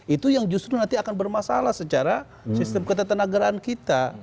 itu yang justru nanti akan bermasalah secara sistem ketatanegaraan kita